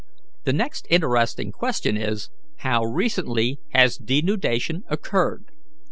The next interesting question is, How recently has denudation occurred?